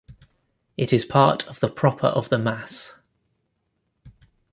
It is part of the Proper of the Mass.